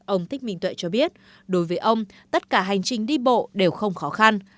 ông thích minh tuệ cho biết đối với ông tất cả hành trình đi bộ đều không khó khăn